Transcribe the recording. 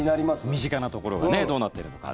身近なところがどうなっているのか。